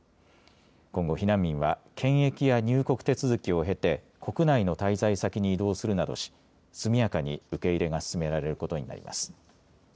今後、避難民は検疫や入国手続きを経て国内の滞在先に移動するなどし速やかに受け入れが進められることになります。